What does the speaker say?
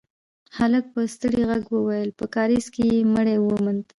هلک په ستړي غږ وويل: په کارېز کې يې مړی وموند.